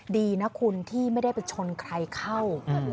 ดีนะคุณที่ไม่ได้ไปชนใครเข้า